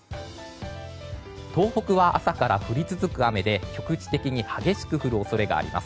東北は朝から降り続く雨で局地的に激しく降る恐れがあります。